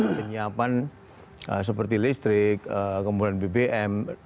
yang ketiga berkaitan dengan penyiapan seperti listrik kemudian bbm